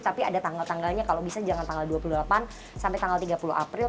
tapi ada tanggal tanggalnya kalau bisa jangan tanggal dua puluh delapan sampai tanggal tiga puluh april